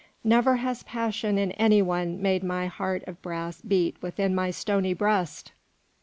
Never has passion in any one made my heart of brass beat within my stony breast.